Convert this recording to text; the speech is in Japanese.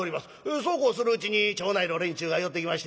そうこうするうちに町内の連中が寄ってきまして。